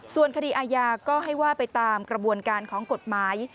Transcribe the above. ส่วนคดีอาญาก็ให้ว่าไปตามกระบวนการของกฎหมาย